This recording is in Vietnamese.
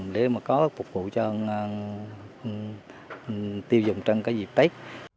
để mà có phục vụ cho tiêu dùng trong cái dịp tết